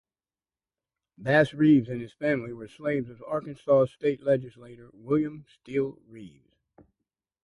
Bass Reeves and his family were slaves of Arkansas state legislator William Steele Reeves.